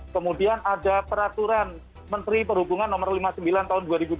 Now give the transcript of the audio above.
kemudian ada peraturan menteri perhubungan no lima puluh sembilan tahun dua ribu dua puluh